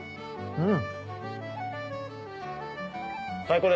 うん。